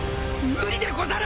無理でござる！